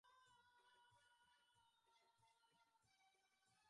একজনের মধ্যেই সমগ্র বিশ্ব রয়েছে।